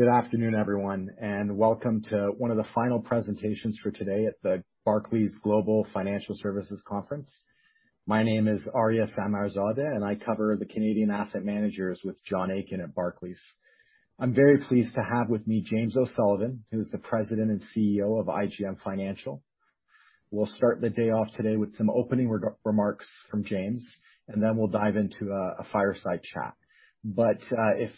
Good afternoon, everyone, and welcome to one of the final presentations for today at the Barclays Global Financial Services Conference. My name is Aria Samarzadeh, and I cover the Canadian asset managers with John Aiken at Barclays. I'm very pleased to have with me James O'Sullivan, who's the President and CEO of IGM Financial. We'll start the day off today with some opening remarks from James, and then we'll dive into a fireside chat. But if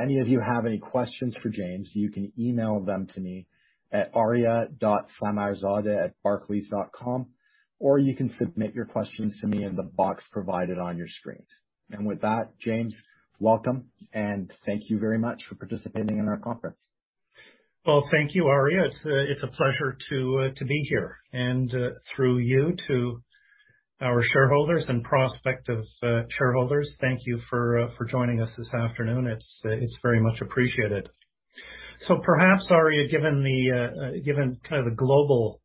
any of you have any questions for James, you can email them to me at arya.samarzade@barclays.com, or you can submit your questions to me in the box provided on your screen. And with that, James, welcome, and thank you very much for participating in our conference. Well, thank you, Aria. It's a pleasure to be here, and through you to our shareholders and prospective shareholders, thank you for joining us this afternoon. It's very much appreciated. So perhaps, Aria, given the global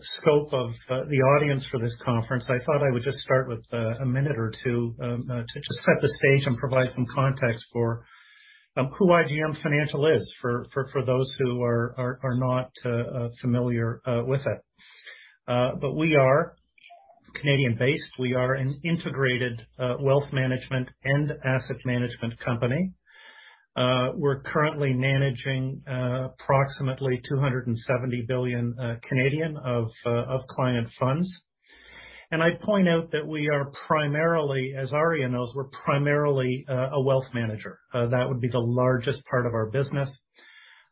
scope of the audience for this conference, I thought I would just start with a minute or two to just set the stage and provide some context for who IGM Financial is, for those who are not familiar with it. But we are Canadian-based. We are an integrated wealth management and asset management company. We're currently managing approximately 270 billion of client funds. And I'd point out that we are primarily, as Aria knows, we're primarily, a wealth manager. That would be the largest part of our business.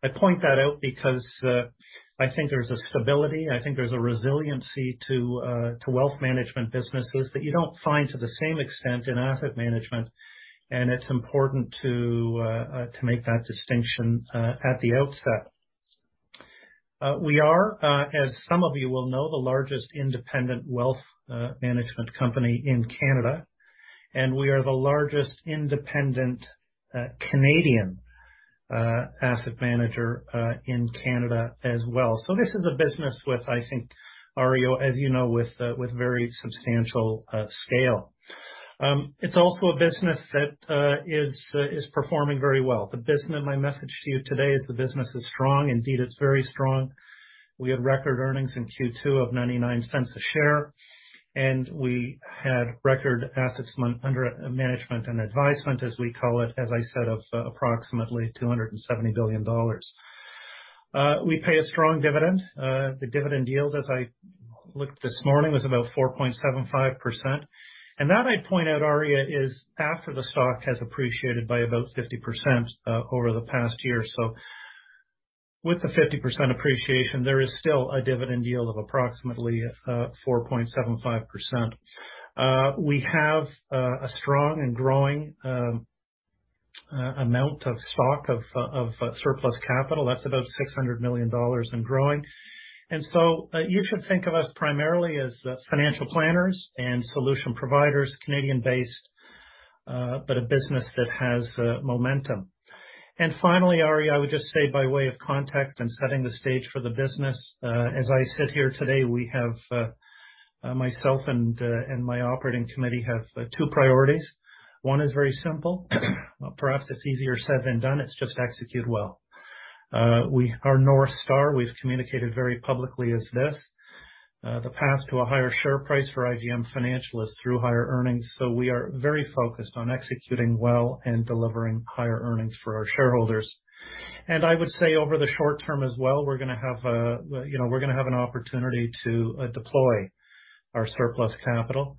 I point that out because, I think there's a stability, I think there's a resiliency to wealth management businesses that you don't find to the same extent in asset management, and it's important to make that distinction at the outset. We are, as some of you will know, the largest independent wealth management company in Canada, and we are the largest independent Canadian asset manager in Canada as well. So this is a business with, I think, Aria, as you know, with very substantial scale. It's also a business that is performing very well. The business. My message to you today is the business is strong. Indeed, it's very strong. We had record earnings in Q2 of 0.99 per share, and we had record assets under management and advisement, as we call it, as I said, of approximately 270 billion dollars. We pay a strong dividend. The dividend yield, as I looked this morning, was about 4.75%, and that I'd point out, Aria, is after the stock has appreciated by about 50% over the past year. So with the 50% appreciation, there is still a dividend yield of approximately 4.75%. We have a strong and growing amount of stock of surplus capital. That's about 600 million dollars and growing. And so, you should think of us primarily as, financial planners and solution providers, Canadian-based, but a business that has, momentum. And finally, Aria, I would just say, by way of context and setting the stage for the business, as I sit here today, we have, myself and, and my operating committee have, two priorities. One is very simple. Perhaps it's easier said than done. It's just execute well. Our North Star, we've communicated very publicly, is this: The path to a higher share price for IGM Financial is through higher earnings, so we are very focused on executing well and delivering higher earnings for our shareholders. And I would say over the short term as well, we're gonna have a, you know, we're gonna have an opportunity to, deploy our surplus capital.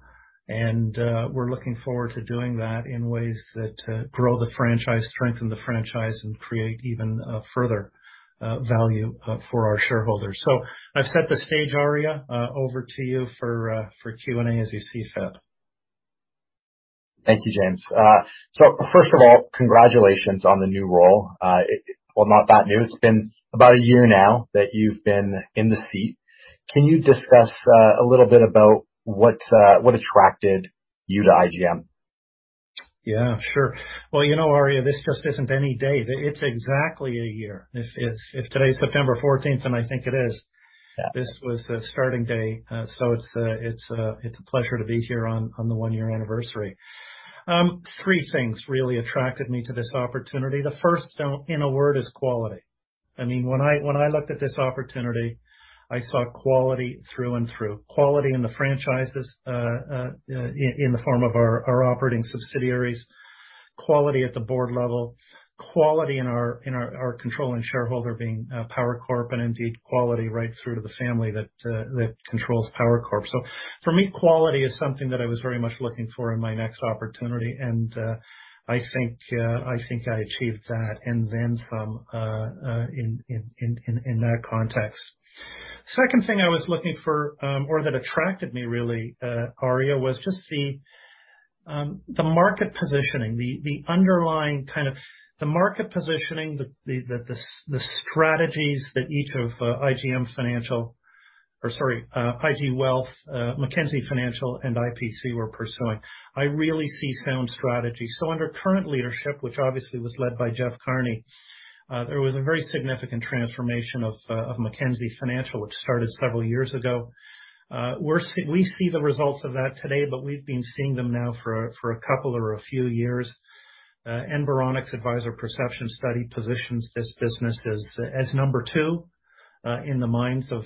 And, we're looking forward to doing that in ways that grow the franchise, strengthen the franchise, and create even further value for our shareholders. So I've set the stage, Aria. Over to you for Q&A, as you see fit. Thank you, James. So first of all, congratulations on the new role. Well, not that new. It's been about a year now that you've been in the seat. Can you discuss a little bit about what attracted you to IGM? Sure. Aria, this just isn't any day. It's exactly a year. If today's September fourteenth, and I think it is this was the starting day. So it's a pleasure to be here on the one-year anniversary. Three things really attracted me to this opportunity. The first, in a word, is quality. When I looked at this opportunity, I saw quality through and through. Quality in the franchises, in the form of our operating subsidiaries. Quality at the board level, quality in our controlling shareholder being Power Corp., and indeed, quality right through to the family that controls Power Corp. So for me, quality is something that I was very much looking for in my next opportunity, and I think I think I achieved that and then some, in that context. Second thing I was looking for, or that attracted me really, Aria, was just the market positioning, the underlying the market positioning, the strategies that each of IG Wealth, Mackenzie Financial and IPC were pursuing. I really see sound strategy. So under current leadership, which obviously was led by Jeff Carney, there was a very significant transformation of Mackenzie Financial, which started several years ago. We see the results of that today, but we've been seeing them now for a couple or a few years. Environics Advisor Perception Study positions this business as number two in the minds of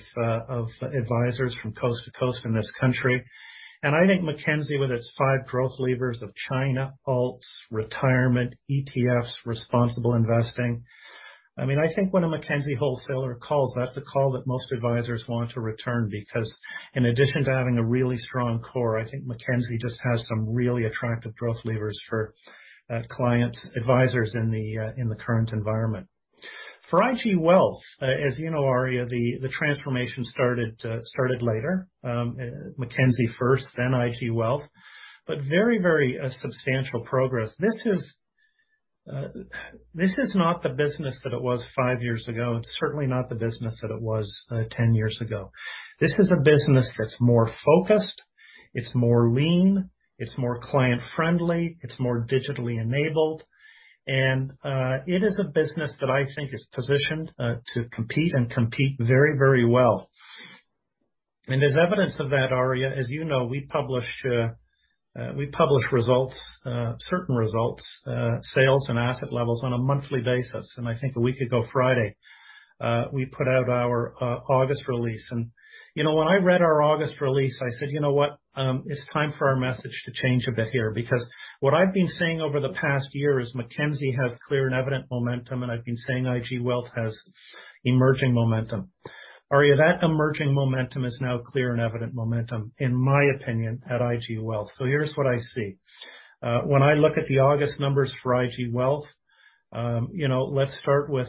advisors from coast to coast in this country. And I think Mackenzie, with its five growth levers of China, Alts, retirement, ETFs, responsible investing, when a Mackenzie wholesaler calls, that's a call that most advisors want to return, because in addition to having a really strong core, I think Mackenzie just has some really attractive growth levers for client advisors in the current environment. For IG Wealth, as you know, Aria, the transformation started later. Mackenzie first, then IG Wealth, but very, very substantial progress. This is not the business that it was five years ago. It's certainly not the business that it was 10 years ago. This is a business that's more focused, it's more lean, it's more client friendly, it's more digitally enabled, and, it is a business that I think is positioned, to compete and compete very, very well. And there's evidence of that, Aria. As you know, we publish, we publish results, certain results, sales and asset levels on a monthly basis. And I think a week ago Friday, we put out our, August release. And, you know, when I read our August release, I said, "You know what? It's time for our message to change a bit here." Because what I've been saying over the past year is Mackenzie has clear and evident momentum, and I've been saying IG Wealth has emerging momentum. Aria, that emerging momentum is now clear and evident momentum, in my opinion, at IG Wealth. So here's what I see. When I look at the August numbers for IG Wealth, you know, let's start with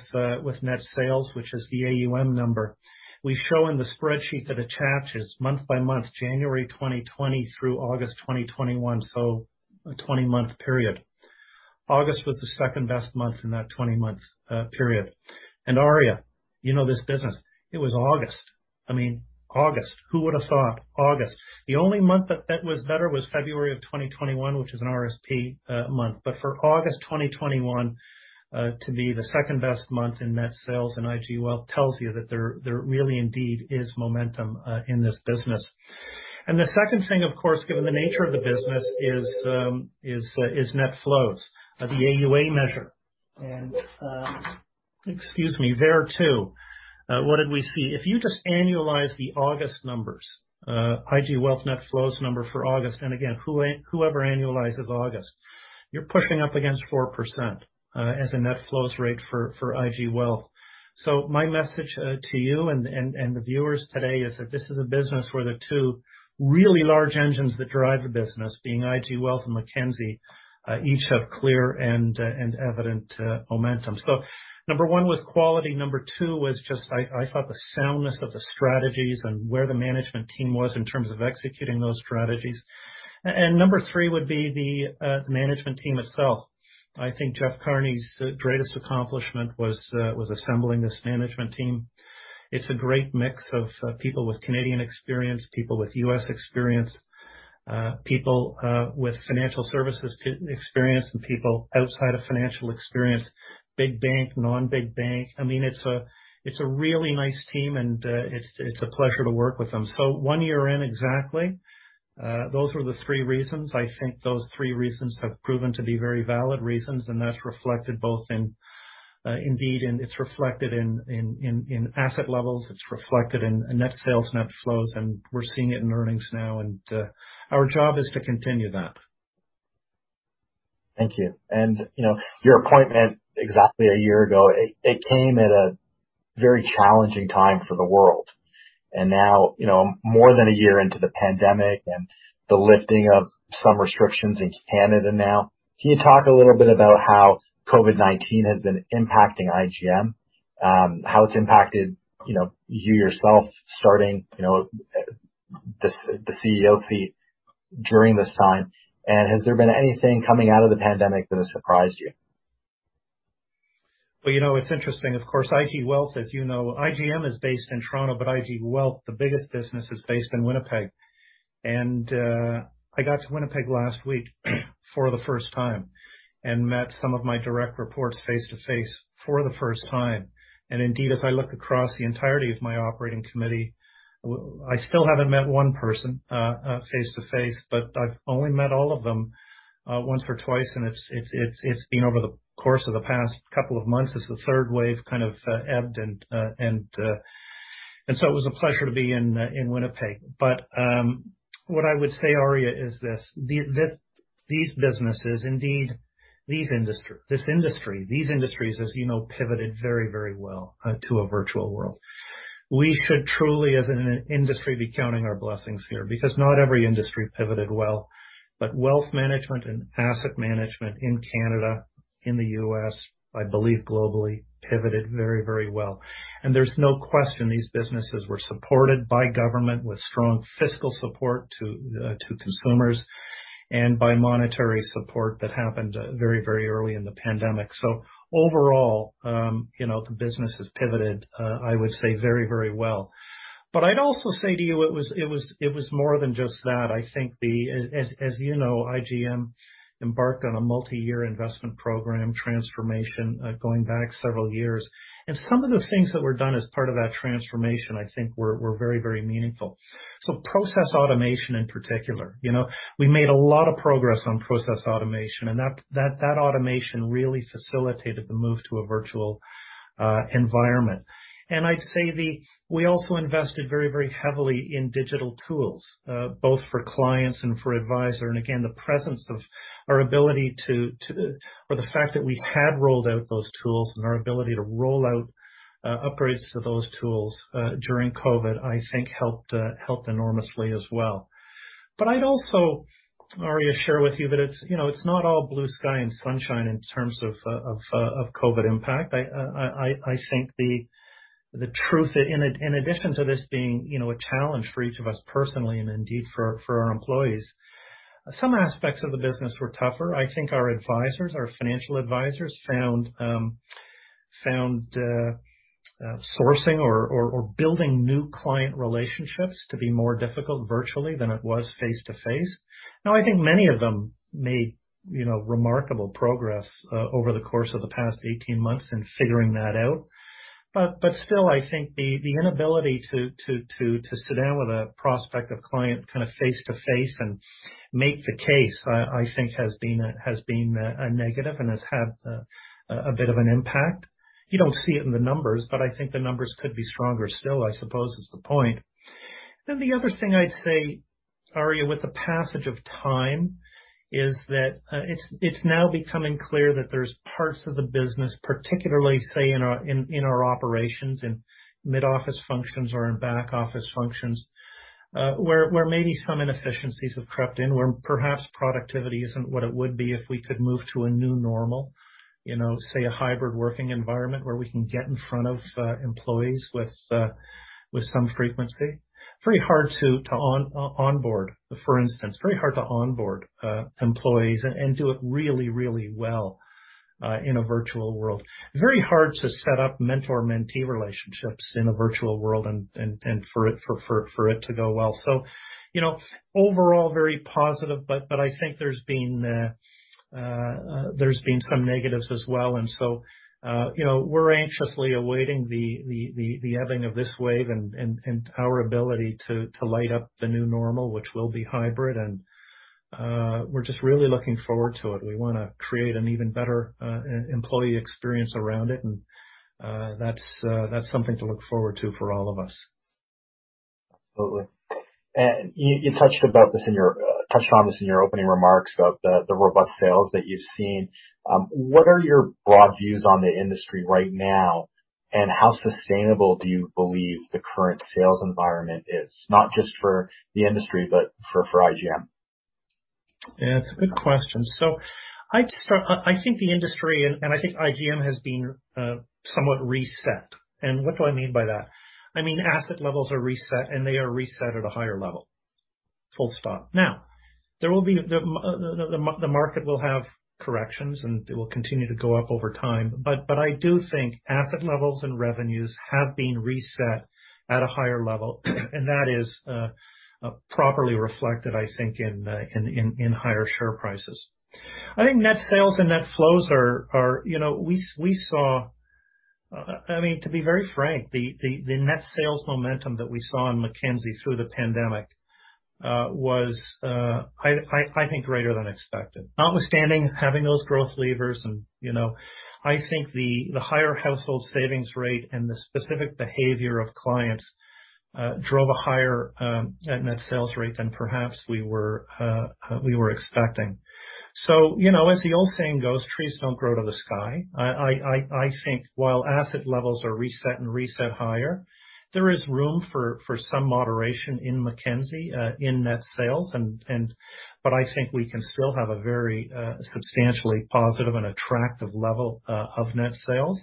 net sales, which is the AUM number. We show in the spreadsheet that attaches month by month, January 2020 through August 2021, so a 20-month period. August was the second best month in that 20-month period. And Aria, you know this business, it was August. August, who would have thought August? The only month that was better was February of 2021, which is an RSP month. But for August 2021 to be the second best month in net sales in IG Wealth tells you that there really indeed is momentum in this business. And the second thing, of course, given the nature of the business, is net flows, the AUA measure. Excuse me, there, too, what did we see? If you just annualize the August numbers, IG Wealth net flows number for August, and again, whoever annualizes August, you're pushing up against 4% as a net flows rate for IG Wealth. So my message to you and the viewers today is that this is a business where the two really large engines that drive the business, being IG Wealth and Mackenzie, each have clear and evident momentum. So number one was quality. Number two was just, I thought, the soundness of the strategies and where the management team was in terms of executing those strategies. And number three would be the management team itself. I think Jeff Carney's greatest accomplishment was assembling this management team. It's a great mix of people with Canadian experience, people with US experience, people with financial services experience, and people outside of financial experience, big bank, non-big bank. It's a really nice team, and it's a pleasure to work with them. So one year in, exactly, those were the three reasons. I think those three reasons have proven to be very valid reasons, and that's reflected both in, indeed, it's reflected in asset levels. It's reflected in net sales, net flows, and we're seeing it in earnings now, and our job is to continue that. Thank you. And, you know, your appointment exactly a year ago, it, it came at a very challenging time for the world, and now, you know, more than a year into the pandemic and the lifting of some restrictions in Canada now, can you talk a little bit about how COVID-19 has been impacting IGM? How it's impacted, you know, you yourself starting, you know, the CEO seat during this time, and has there been anything coming out of the pandemic that has surprised you? Well, you know, it's interesting. Of course, IG Wealth, as you know, IGM is based in Toronto, but IG Wealth, the biggest business, is based in Winnipeg. And I got to Winnipeg last week for the first time and met some of my direct reports face-to-face for the first time. And indeed, as I look across the entirety of my operating committee, I still haven't met one person face-to-face, but I've only met all of them once or twice, and it's been over the course of the past couple of months as the third wave ebbed. And so it was a pleasure to be in Winnipeg. But what I would say, Aria, is this, these businesses, indeed, these industries, as you know, pivoted very, very well to a virtual world. We should truly, as an industry, be counting our blessings here, because not every industry pivoted well, but wealth management and asset management in Canada, in the US, I believe globally, pivoted very, very well. And there's no question these businesses were supported by government with strong fiscal support to consumers and by monetary support that happened very, very early in the pandemic. So overall, you know, the business has pivoted, I would say, very, very well. But I'd also say to you, it was more than just that. I think, as you know, IGM embarked on a multi-year investment program transformation going back several years. And some of the things that were done as part of that transformation, I think were very, very meaningful. So process automation in particular, you know, we made a lot of progress on process automation, and that automation really facilitated the move to a virtual environment. And I'd say we also invested very, very heavily in digital tools both for clients and for advisor. And again, the presence of our ability to or the fact that we had rolled out those tools and our ability to roll out upgrades to those tools during COVID, I think helped enormously as well. But I'd also, Aria, share with you that it's, you know, it's not all blue sky and sunshine in terms of COVID impact. I think the truth in addition to this being, you know, a challenge for each of us personally, and indeed for our employees, some aspects of the business were tougher. I think our advisors, our financial advisors, found sourcing or building new client relationships to be more difficult virtually than it was face-to-face. Now, I think many of them made, you know, remarkable progress over the course of the past 18 months in figuring that out. But still, I think the inability to sit down with a prospective client face-to-face and make the case, I think has been a negative and has had a bit of an impact. You don't see it in the numbers, but I think the numbers could be stronger still, I suppose, is the point. Then the other thing I'd say, Aria, with the passage of time, is that it's now becoming clear that there's parts of the business, particularly, say, in our operations and mid-office functions or in back office functions, where maybe some inefficiencies have crept in, where perhaps productivity isn't what it would be if we could move to a new normal. You know, say, a hybrid working environment, where we can get in front of employees with some frequency. Very hard to onboard, for instance, very hard to onboard employees and do it really, really well in a virtual world. Very hard to set up mentor-mentee relationships in a virtual world and for it to go well. So, you know, overall, very positive, but I think there's been some negatives as well. And so, you know, we're anxiously awaiting the ebbing of this wave and our ability to light up the new normal, which will be hybrid. And we're just really looking forward to it. We wanna create an even better employee experience around it, and that's something to look forward to for all of us. Totally. And you touched on this in your opening remarks about the robust sales that you've seen. What are your broad views on the industry right now, and how sustainable do you believe the current sales environment is, not just for the industry, but for IGM? It's a good question. So I'd start—I think the industry and I think IGM has been somewhat reset. And what do I mean by that? Asset levels are reset, and they are reset at a higher level, full stop. Now, the market will have corrections, and it will continue to go up over time, but I do think asset levels and revenues have been reset at a higher level, and that is properly reflected, I think, in higher share prices. I think net sales and net flows are... You know, we saw, to be very frank, the net sales momentum that we saw in Mackenzie through the pandemic was, I think, greater than expected. Notwithstanding having those growth levers, and, you know, I think the, the higher household savings rate and the specific behavior of clients drove a higher net sales rate than perhaps we were, we were expecting. So, you know, as the old saying goes, "Trees don't grow to the sky." I think while asset levels are reset and reset higher, there is room for some moderation in Mackenzie in net sales. But I think we can still have a very substantially positive and attractive level of net sales.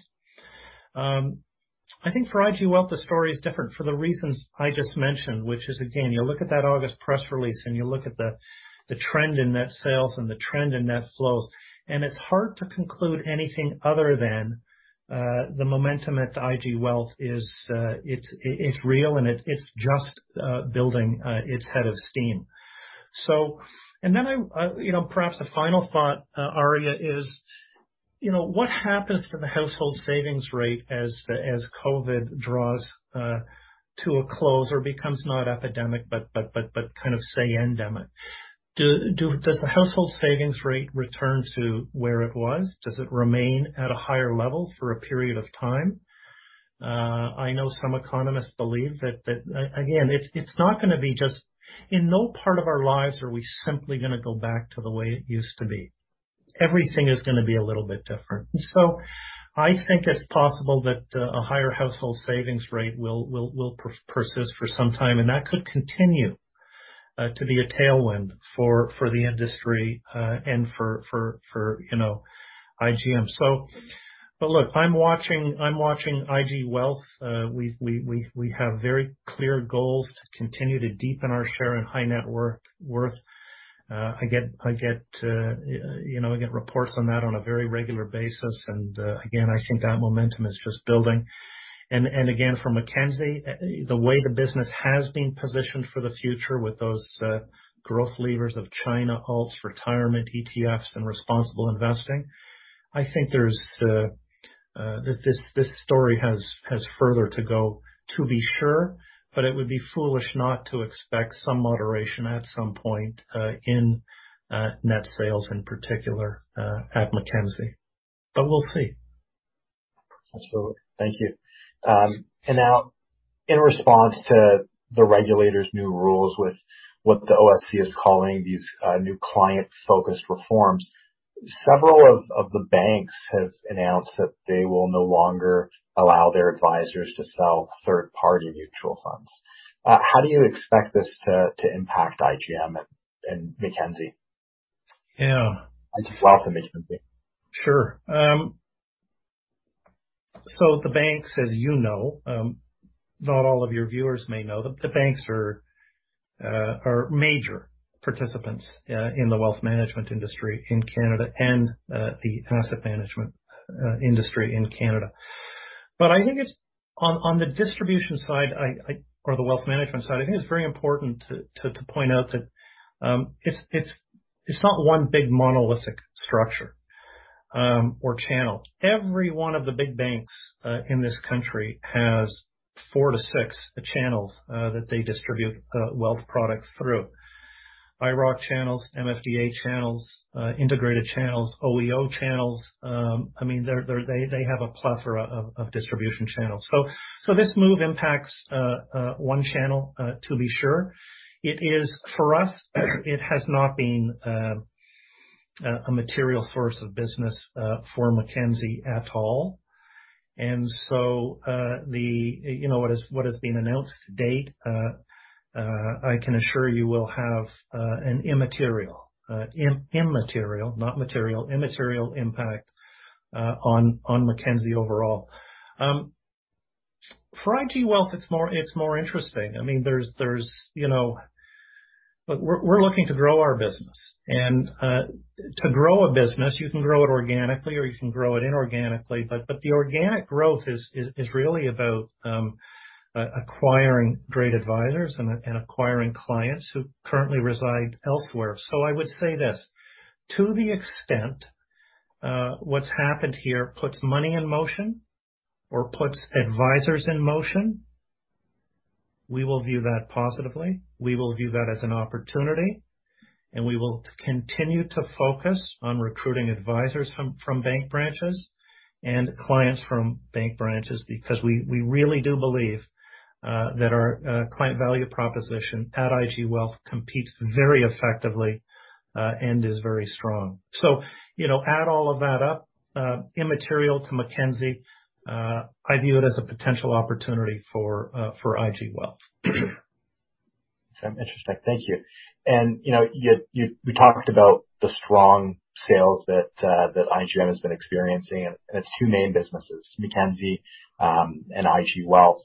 I think for IG Wealth, the story is different for the reasons I just mentioned, which is, again, you look at that August press release, and you look at the trend in net sales and the trend in net flows, and it's hard to conclude anything other than the momentum at IG Wealth is, it's real, and it's just building its head of steam. So, and then I, you know, perhaps a final thought, Aria, is, you know, what happens to the household savings rate as COVID draws to a close or becomes not epidemic, but say, endemic? Does the household savings rate return to where it was? Does it remain at a higher level for a period of time? I know some economists believe that, that... Again, it's not gonna be just in no part of our lives are we simply gonna go back to the way it used to be. Everything is gonna be a little bit different. So I think it's possible that a higher household savings rate will persist for some time, and that could continue to be a tailwind for the industry and for, you know, IGM. So but look, I'm watching IG Wealth. We have very clear goals to continue to deepen our share in high net worth. I get, you know, I get reports on that on a very regular basis, and again, I think that momentum is just building. And again, for Mackenzie, the way the business has been positioned for the future with those growth levers of China, Alts, retirement, ETFs, and responsible investing, I think there's this story has further to go, to be sure. But it would be foolish not to expect some moderation at some point in net sales in particular at Mackenzie, but we'll see. Absolutely. Thank you. And now, in response to the regulators' new rules with what the OSC is calling these new Client Focused Reforms, several of the banks have announced that they will no longer allow their advisors to sell third-party mutual funds. How do you expect this to impact IGM and Mackenzie? And to wealth management? Sure. So the banks, as you know, not all of your viewers may know, the banks are major participants in the wealth management industry in Canada and the asset management industry in Canada. But I think it's on the distribution side, or the wealth management side, I think it's very important to point out that it's not one big monolithic structure or channel. Every one of the big banks in this country has four to six channels that they distribute wealth products through. IIROC channels, MFDA channels, integrated channels, OEO channels. They have a plethora of distribution channels. So this move impacts one channel, to be sure. It is, for us, it has not been a material source of business for Mackenzie at all. And so, you know, what has been announced to date, I can assure you will have an immaterial, not material, immaterial impact on Mackenzie overall. For IG Wealth, it's more interesting. We're looking to grow our business. And to grow a business, you can grow it organically or you can grow it inorganically, but the organic growth is really about acquiring great advisors and acquiring clients who currently reside elsewhere. So I would say this: to the extent, what's happened here puts money in motion or puts advisors in motion, we will view that positively, we will view that as an opportunity, and we will continue to focus on recruiting advisors from bank branches and clients from bank branches, because we really do believe that our client value proposition at IG Wealth competes very effectively and is very strong. So, you know, add all of that up, immaterial to Mackenzie, I view it as a potential opportunity for IG Wealth. Interesting. Thank you. You know, you talked about the strong sales that IGM has been experiencing in its two main businesses, Mackenzie and IG Wealth.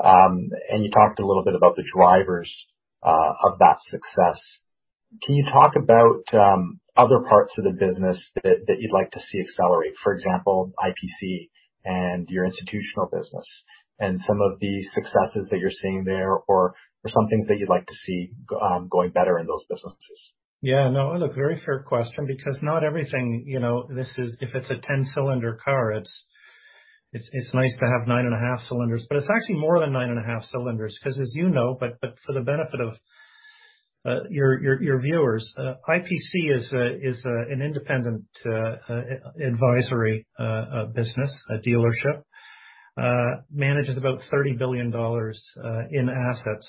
You talked a little bit about the drivers of that success. Can you talk about other parts of the business that you'd like to see accelerate, for example, IPC and your institutional business, and some of the successes that you're seeing there, or some things that you'd like to see going better in those businesses? No, a very fair question, because not everything, you know, this is... If it's a 10-cylinder car, it's nice to have nine and a half cylinders, but it's actually more than nine and a half cylinders, 'cause as you know, but for the benefit of your viewers, IPC is an independent advisory business, a dealership. Manages about 30 billion dollars in assets,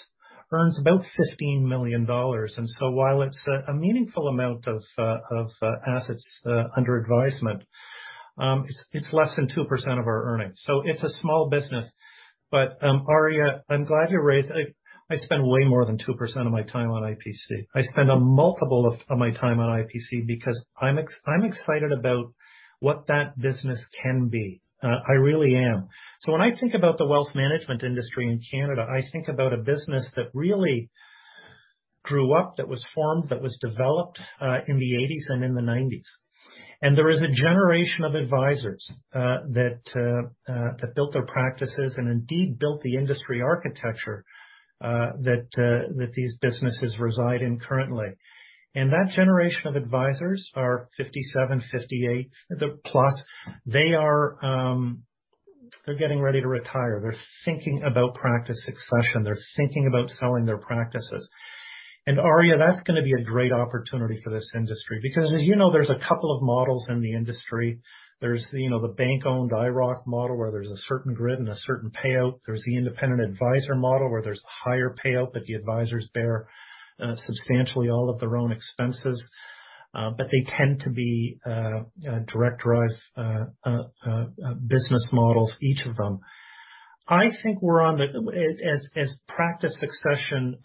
earns about 15 million dollars. And so while it's a meaningful amount of assets under advisement, it's less than 2% of our earnings. So it's a small business. But, Aria, I'm glad you raised... I spend way more than 2% of my time on IPC. I spend a multiple of my time on IPC, because I'm excited about what that business can be. I really am. So when I think about the wealth management industry in Canada, I think about a business that really grew up, that was formed, that was developed in the eighties and in the nineties. And there is a generation of advisors that built their practices and indeed built the industry architecture that these businesses reside in currently. And that generation of advisors are 57, 58, the plus. They are, they're getting ready to retire. They're thinking about practice succession. They're thinking about selling their practices. And Aria, that's gonna be a great opportunity for this industry, because as you know, there's a couple of models in the industry. There's, you know, the bank-owned IIROC model, where there's a certain grid and a certain payout. There's the independent advisor model, where there's a higher payout, but the advisors bear substantially all of their own expenses. But they tend to be direct drive business models, each of them. I think we're on the... As practice succession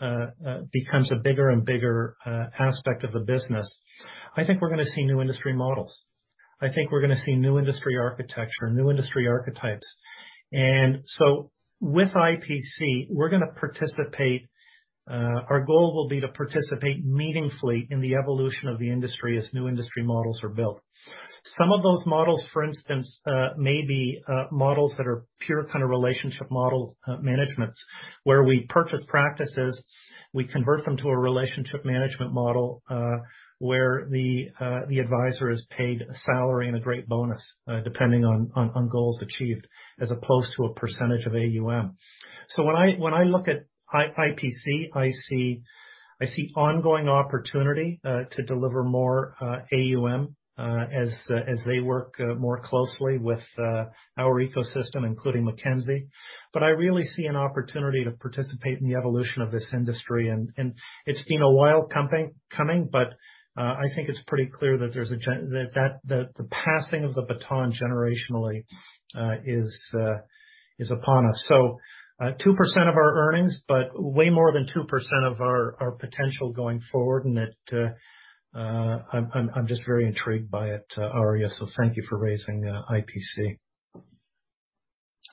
becomes a bigger and bigger aspect of the business, I think we're gonna see new industry models. I think we're gonna see new industry architecture, new industry archetypes. And so with IPC, we're gonna participate, our goal will be to participate meaningfully in the evolution of the industry as new industry models are built. Some of those models, for instance, may be models that are pure relationship model managements, where we purchase practices, we convert them to a relationship management model, where the advisor is paid a salary and a great bonus, depending on goals achieved, as opposed to a percentage of AUM. So when I look at IPC, I see ongoing opportunity to deliver more AUM, as they work more closely with our ecosystem, including Mackenzie. But I really see an opportunity to participate in the evolution of this industry. And it's been a while coming, but I think it's pretty clear that the passing of the baton generationally is upon us. So, 2% of our earnings, but way more than 2% of our potential going forward, and that, I'm just very intrigued by it, Aria. So thank you for raising IPC.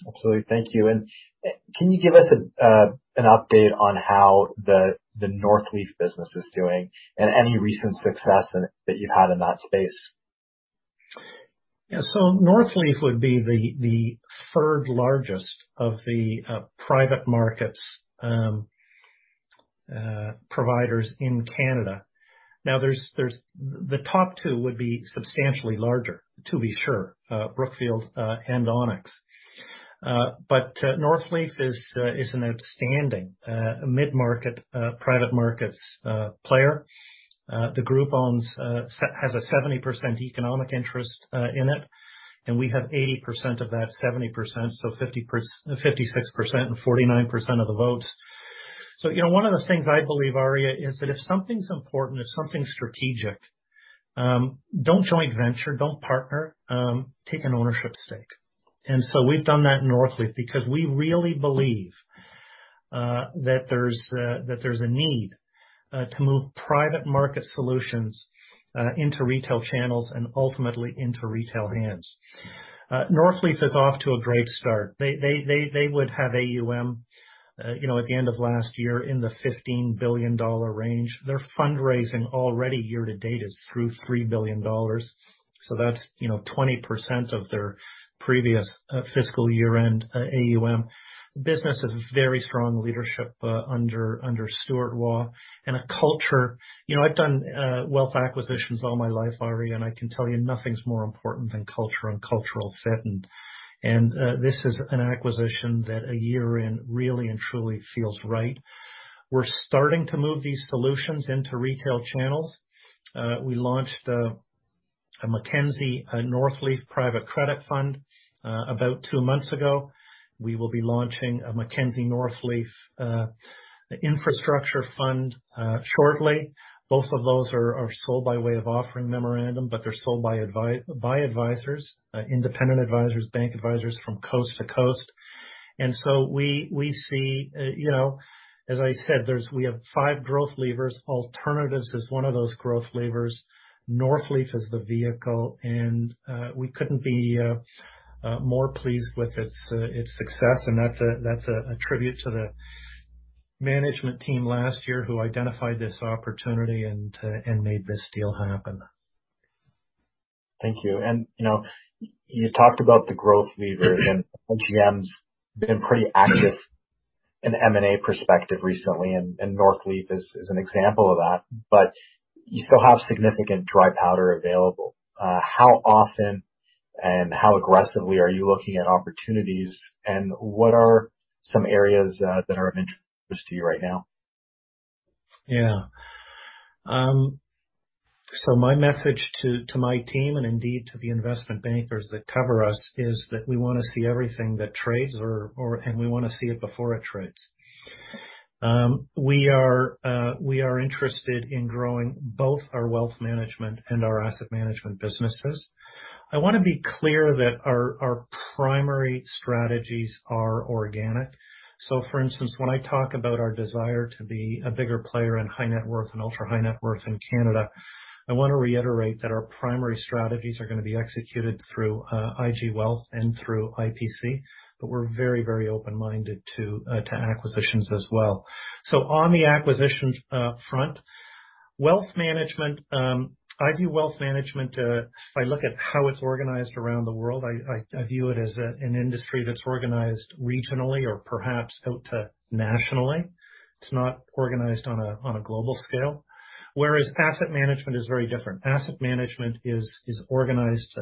Absolutely. Thank you. And can you give us an update on how the Northleaf business is doing, and any recent success that you've had in that space? So Northleaf would be the third largest of the private markets providers in Canada. Now, the top two would be substantially larger, to be sure, Brookfield and Onex. But Northleaf is an outstanding mid-market private markets player. The group has a 70% economic interest in it, and we have 80% of that 70%, so 56% and 49% of the votes. So, you know, one of the things I believe, Aria, is that if something's important, if something's strategic, don't joint venture, don't partner, take an ownership stake. So we've done that in Northleaf, because we really believe that there's a need to move private market solutions into retail channels and ultimately into retail hands. Northleaf is off to a great start. They would have AUM, you know, at the end of last year, in the 15 billion dollar range. Their fundraising already year to date is through 3 billion dollars. So that's, you know, 20% of their previous fiscal year-end AUM. The business has very strong leadership under Stuart Waugh, and a culture... You know, I've done wealth acquisitions all my life, Aria, and I can tell you nothing's more important than culture and cultural fit. This is an acquisition that a year in, really and truly feels right. We're starting to move these solutions into retail channels. We launched a Mackenzie Northleaf private credit fund about two months ago. We will be launching a Mackenzie Northleaf infrastructure fund shortly. Both of those are sold by way of offering memorandum, but they're sold by advisors, independent advisors, bank advisors from coast to coast. And so we see, you know, as I said, we have five growth levers. Alternatives is one of those growth levers. Northleaf is the vehicle, and we couldn't be more pleased with its success, and that's a tribute to the management team last year, who identified this opportunity and made this deal happen. Thank you. And, you know, you talked about the growth levers, and IGM's been pretty active in M&A perspective recently, and Northleaf is an example of that. But you still have significant dry powder available. How often and how aggressively are you looking at opportunities, and what are some areas that are of interest to you right now? So my message to my team, and indeed to the investment bankers that cover us, is that we want to see everything that trades. And we want to see it before it trades. We are interested in growing both our wealth management and our asset management businesses. I want to be clear that our primary strategies are organic. So for instance, when I talk about our desire to be a bigger player in high net worth and ultrahigh net worth in Canada, I want to reiterate that our primary strategies are going to be executed through IG Wealth and through IPC, but we're very, very open-minded to acquisitions as well. So on the acquisition front, wealth management, I view wealth management, if I look at how it's organized around the world, I view it as an industry that's organized regionally or perhaps out to nationally. It's not organized on a global scale. Whereas asset management is very different. Asset management is organized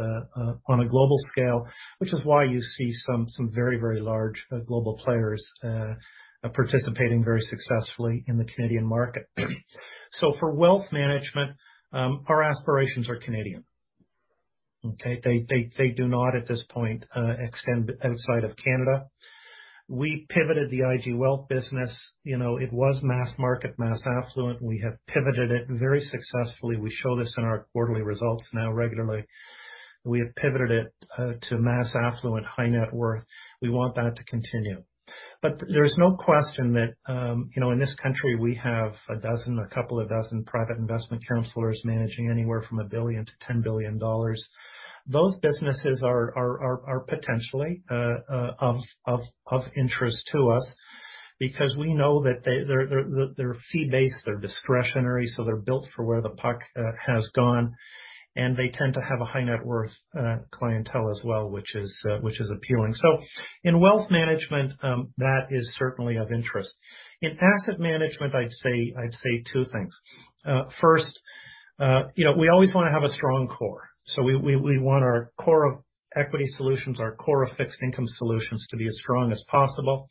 on a global scale, which is why you see some very large global players participating very successfully in the Canadian market. So for wealth management, our aspirations are Canadian. Okay? They do not, at this point, extend outside of Canada. We pivoted the IG Wealth business. You know, it was mass market, mass affluent. We have pivoted it very successfully. We show this in our quarterly results now regularly. We have pivoted it to mass affluent, high net worth. We want that to continue. But there's no question that, you know, in this country, we have a dozen, a couple of dozen private investment counselors managing anywhere from 1 billion to 10 billion dollars. Those businesses are potentially of interest to us because we know that they're fee-based, they're discretionary, so they're built for where the puck has gone. And they tend to have a high net worth clientele as well, which is appealing. So in wealth management, that is certainly of interest. In asset management, I'd say, I'd say two things. First, we always wanna have a strong core. So we want our core of equity solutions, our core of fixed income solutions, to be as strong as possible.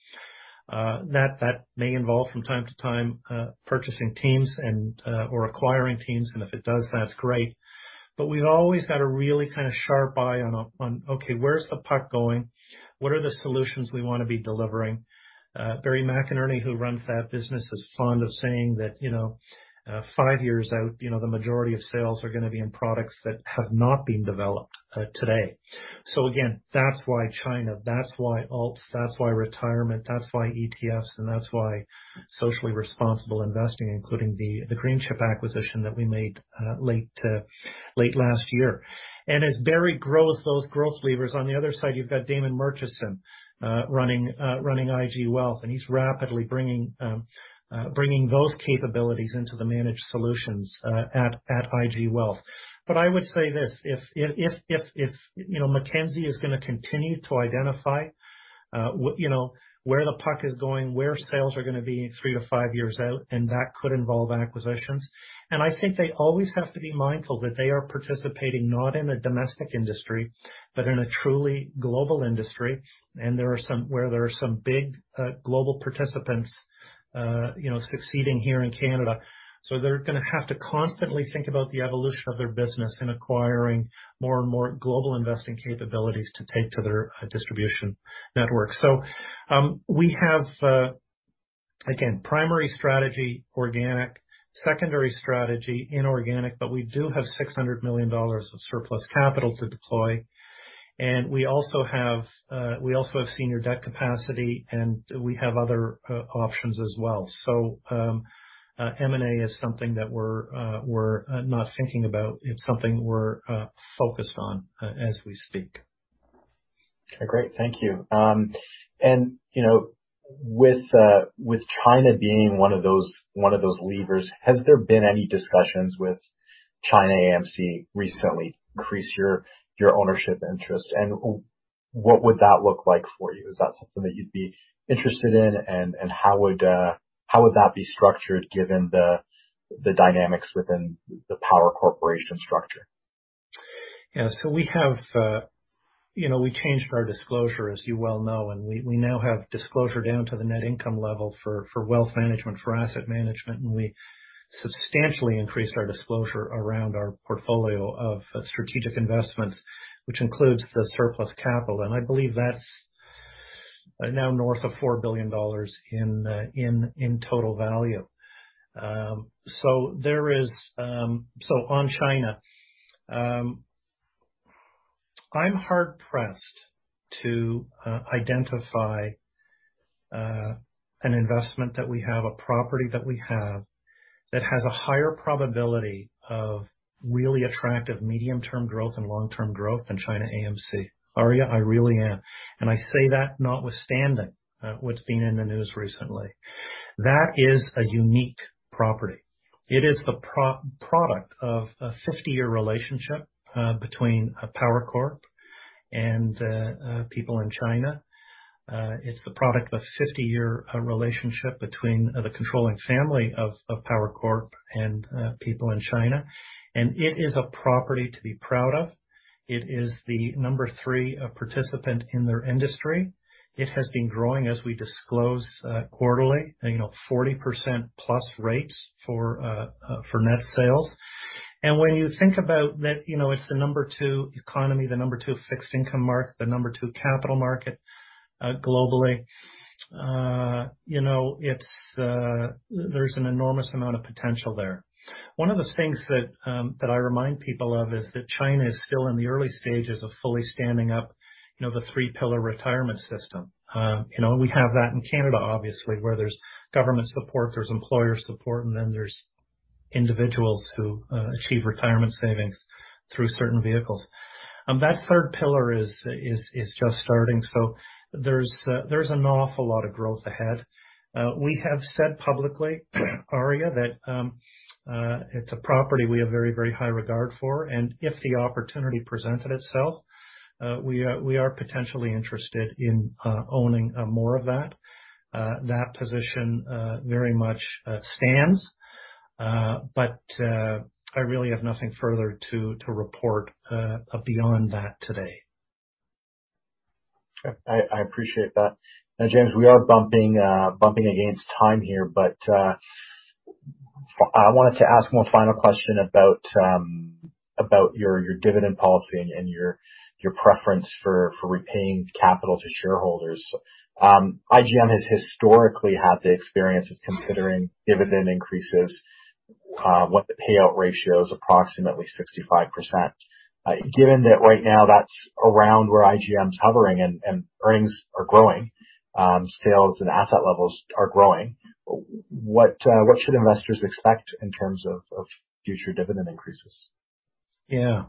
That may involve from time to time purchasing teams and or acquiring teams, and if it does, that's great. But we've always got a really sharp eye on where's the puck going? What are the solutions we wanna be delivering? Barry McInerney, who runs that business, is fond of saying that, you know, five years out, you know, the majority of sales are gonna be in products that have not been developed today. So again, that's why China, that's why Alts, that's why retirement, that's why ETFs, and that's why socially responsible investing, including the Greenchip acquisition that we made, late last year. As Barry grows those growth levers, on the other side, you've got Damon Murchison running IG Wealth, and he's rapidly bringing those capabilities into the managed solutions at IG Wealth. But I would say this, if you know, Mackenzie is gonna continue to identify, you know, where the puck is going, where sales are gonna be in three to five years out, and that could involve acquisitions. I think they always have to be mindful that they are participating not in a domestic industry, but in a truly global industry, and there are where there are some big global participants, you know, succeeding here in Canada. So they're gonna have to constantly think about the evolution of their business in acquiring more and more global investing capabilities to take to their distribution network. So, we have, again, primary strategy, organic; secondary strategy, inorganic. But we do have 600 million dollars of surplus capital to deploy, and we also have, we also have senior debt capacity, and we have other options as well. So, M&A is something that we're, we're not thinking about, it's something we're focused on, as we speak. Okay, great. Thank you. And, you know, with, with China being one of those, one of those levers, has there been any discussions with ChinaAMC recently to increase your, your ownership interest? And what would that look like for you? Is that something that you'd be interested in, and, and how would, how would that be structured given the, the dynamics within the Power Corporation structure? So we have. You know, we changed our disclosure, as you well know, and we now have disclosure down to the net income level for wealth management, for asset management. And we substantially increased our disclosure around our portfolio of strategic investments, which includes the surplus capital. And I believe that's now north of 4 billion dollars in total value. So there is. So on China, I'm hard pressed to identify an investment that we have, a property that we have, that has a higher probability of really attractive medium-term growth and long-term growth than ChinaAMC. Aria, I really am. And I say that notwithstanding what's been in the news recently. That is a unique property. It is the product of a 50-year relationship between Power Corp and people in China. It's the product of a 50-year relationship between the controlling family of Power Corp and people in China. And it is a property to be proud of. It is the number three participant in their industry. It has been growing, as we disclose quarterly, you know, 40%+ rates for net sales. And when you think about that, you know, it's the number two economy, the number two fixed income market, the number two capital market globally, you know, it's, there's an enormous amount of potential there. One of the things that I remind people of is that China is still in the early stages of fully standing up, you know, the three-pillar retirement system. You know, we have that in Canada, obviously, where there's government support, there's employer support, and then there's individuals who achieve retirement savings through certain vehicles. That third pillar is just starting, so there's an awful lot of growth ahead. We have said publicly, Aria, that it's a property we have very, very high regard for, and if the opportunity presented itself, we are potentially interested in owning more of that. That position very much stands, but I really have nothing further to report beyond that today. Okay. I appreciate that. Now, James, we are bumping against time here, but I wanted to ask one final question about your dividend policy and your preference for repaying capital to shareholders. IGM has historically had the experience of considering dividend increases, what the payout ratio is approximately 65%. Given that right now that's around where IGM's hovering and earnings are growing, sales and asset levels are growing, what should investors expect in terms of future dividend increases? It's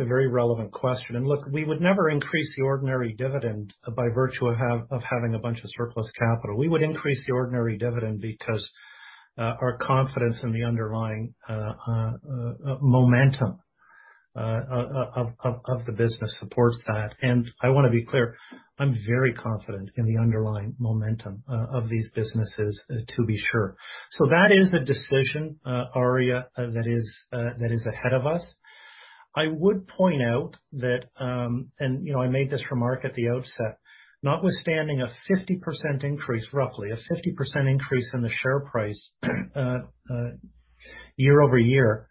a very relevant question, and look, we would never increase the ordinary dividend by virtue of having a bunch of surplus capital. We would increase the ordinary dividend because our confidence in the underlying momentum of the business supports that. And I wanna be clear, I'm very confident in the underlying momentum of these businesses, to be sure. So that is a decision, Aria, that is, that is ahead of us. I would point out that, and, you know, I made this remark at the outset, notwithstanding a 50% increase, roughly a 50% increase in the share price, year-over-year,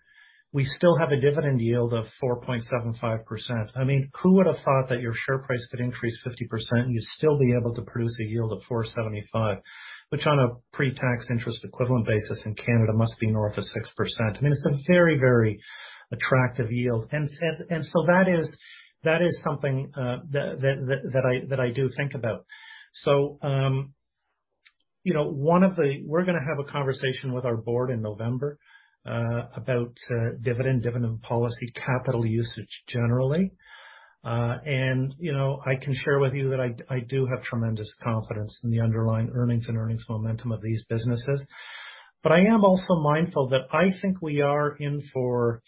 we still have a dividend yield of 4.75%. Who would have thought that your share price could increase 50%, and you'd still be able to produce a yield of 4.75%? Which on a pre-tax interest equivalent basis in Canada, must be north of 6%. It's a very, very attractive yield. And so that is something that I do think about. So, you know, we're gonna have a conversation with our board in November about dividend policy, capital usage, generally. And, you know, I can share with you that I do have tremendous confidence in the underlying earnings and earnings momentum of these businesses. But I am also mindful that I think we are in for,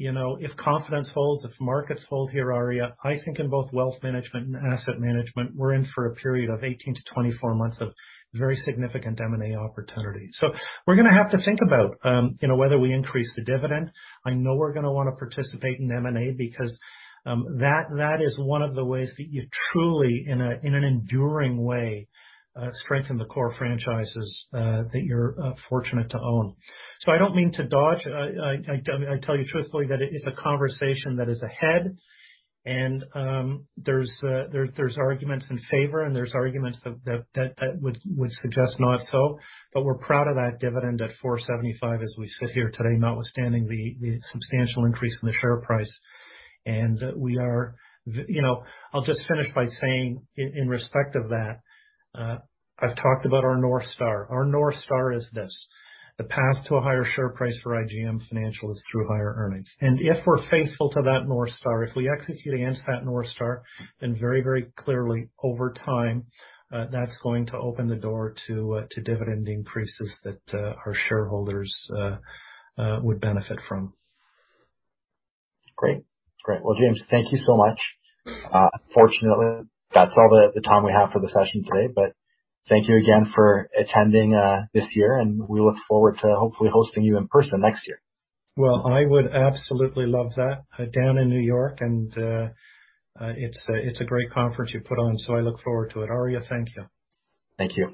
you know, if confidence holds, if markets hold here, Aria, I think in both wealth management and asset management, we're in for a period of 18-24 months of very significant M&A opportunity. So we're gonna have to think about, you know, whether we increase the dividend. I know we're gonna wanna participate in M&A because, that is one of the ways that you truly, in an enduring way, strengthen the core franchises, that you're fortunate to own. So I don't mean to dodge. I tell you truthfully, that it is a conversation that is ahead, and, there's arguments in favor, and there's arguments that would suggest not so. But we're proud of that dividend at 4.75% as we sit here today, notwithstanding the substantial increase in the share price. And we are, you know, I'll just finish by saying, in respect of that, I've talked about our North Star. Our North Star is this: the path to a higher share price for IGM Financial is through higher earnings. And if we're faithful to that North Star, if we execute against that North Star, then very, very clearly, over time, that's going to open the door to dividend increases that our shareholders would benefit from. Great. Great. Well, James, thank you so much. Unfortunately, that's all the time we have for the session today, but thank you again for attending this year, and we look forward to hopefully hosting you in person next year. Well, I would absolutely love that, down in New York, and, it's a great conference you've put on, so I look forward to it. Aria, thank you. Thank you.